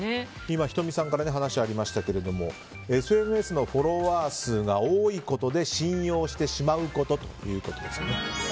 今、仁美さんから話がありましたがＳＮＳのフォロワー数が多いことで信用してしまうこと。